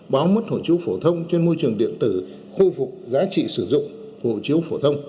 báo mất hộ chiếu phổ thông trên môi trường điện tử khôi phục giá trị sử dụng hộ chiếu phổ thông